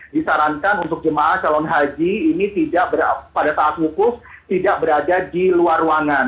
disarankan untuk jemaah calon haji ini pada saat wukuf tidak berada di luar ruangan